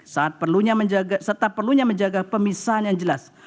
serta perlunya menjaga pemisahan yang jelas